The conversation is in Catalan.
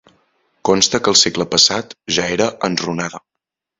Consta que al segle passat ja era enrunada.